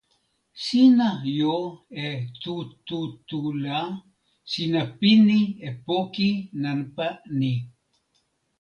sina jo e tu tu tu la, sina pini e poki nanpa ni.